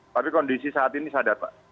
tapi kondisi saat ini sadar pak